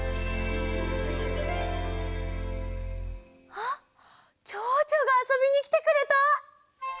あっちょうちょうがあそびにきてくれた！